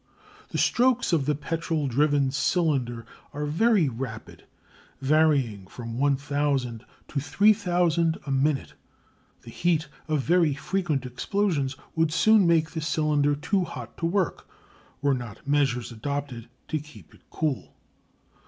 The strokes of the petrol driven cylinder are very rapid, varying from 1000 to 3000 a minute. The heat of very frequent explosions would soon make the cylinder too hot to work were not measures adopted to keep it cool.